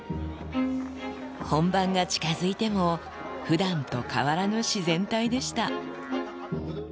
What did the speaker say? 本番が近づいても、ふだんと変わらぬ自然体でした。